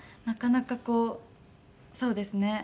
なかなかこうそうですね